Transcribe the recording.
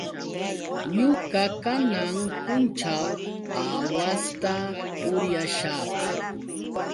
Ñuqa kanan punćhaw aawasta uryashaq.